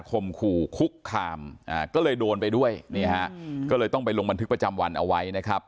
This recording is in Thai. มขู่คุกคามก็เลยโดนไปด้วยนี่ฮะก็เลยต้องไปลงบันทึกประจำวันเอาไว้นะครับ